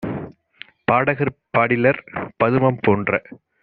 பாடகர் பாடிலர்! பதுமம் போன்ற